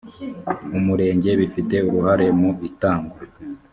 umurenge bifite uruhare mu itangwa